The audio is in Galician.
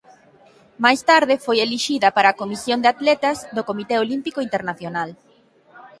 Máis tarde foi elixida para a comisión de atletas do Comité Olímpico Internacional.